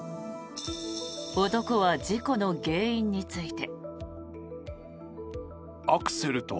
男は事故の原因について。